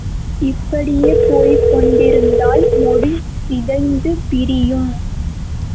இப்படியே போய்க்கொண்டிருந்தால் மொழி சிதைந்து பிரியும்.